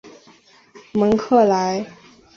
蒙克莱。